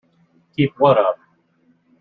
Keep what up?